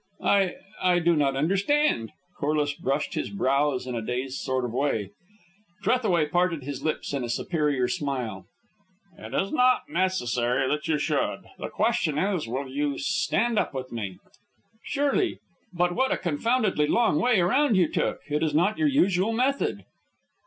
"I I do not understand." Corliss brushed his brows in a dazed sort of way. Trethaway parted his lips in a superior smile. "It is not necessary that you should. The question is, Will you stand up with me?" "Surely. But what a confoundedly long way around you took. It is not your usual method."